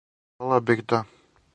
Волео бих да.